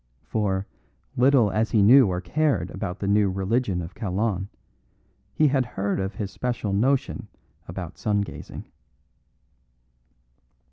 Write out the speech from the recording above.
For, little as he knew or cared about the new religion of Kalon, he had heard of his special notion about sun gazing.